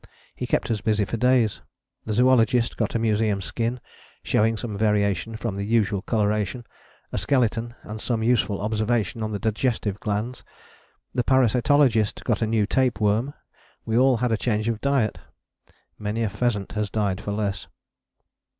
He kept us busy for days: the zoologist got a museum skin, showing some variation from the usual coloration, a skeleton, and some useful observation on the digestive glands: the parasitologist got a new tape worm: we all had a change of diet. Many a pheasant has died for less.